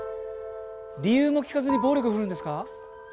理由も聞かずに暴力振るうんですか。